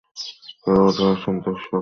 তাঁরা উঠে আসেন দর্শক মহল থেকেই।